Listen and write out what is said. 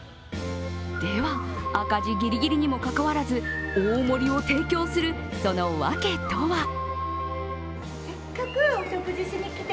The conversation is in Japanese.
では、赤字ギリギリにもかかわらず大盛りを提供するその訳とは？